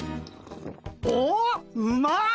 おうまっ！